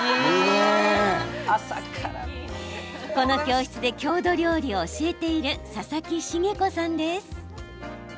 この教室で郷土料理を教えている佐々木茂子さんです。